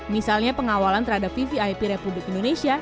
misalnya pengawalan terhadap vvip republik indonesia